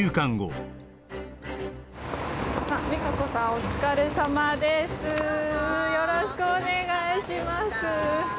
お疲れさまどうもよろしくお願いします